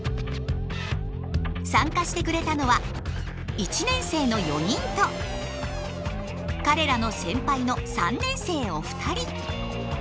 参加してくれたのは１年生の４人と彼らの先輩の３年生お二人。